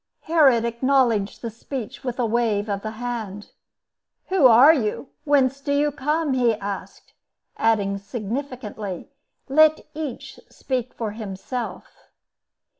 Herod acknowledged the speech with a wave of the hand. "Who are you? Whence do you come?" he asked, adding significantly, "Let each speak for himself."